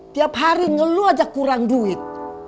tiap hari ngeluh aja kurang duit